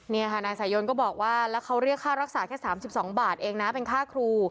นี่ค่ะนายสายยนก็บอกว่าแล้วเขาเรียกค่ารักษาแค่๓๒บาทเองนะเป็นค่าครู